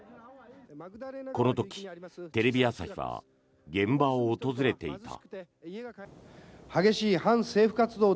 この時、テレビ朝日は現場を訪れていた。